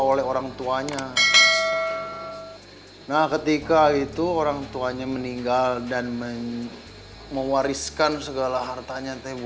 oleh orang tuanya nah ketika itu orang tuanya meninggal dan mewariskan segala hartanya tembo